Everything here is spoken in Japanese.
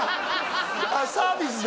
ああサービスで？